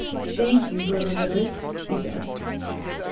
"Thank you, brother Literates," he said.